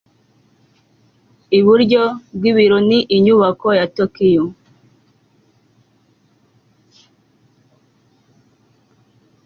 iburyo bwibiro ni inyubako ya tokiyo